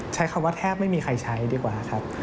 ใช้คำว่าแทบไม่มีใครใช้ดีกว่าครับ